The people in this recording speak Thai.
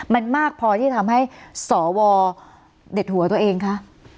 มันมากพอที่ทำให้สวเด็ดหัวตัวเองคะ